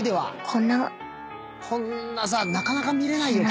こんなさなかなか見れないよ。